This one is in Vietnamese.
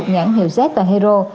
nhãn hiệu z và hero